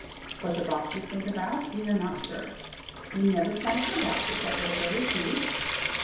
What the boxes think about we are not sure. We never sat in a box except at a burlicue.